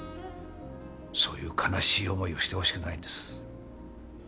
そういう悲しい思いをしてほしくないんです。